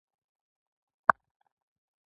• شتمني د حلالې لارې برکت لري.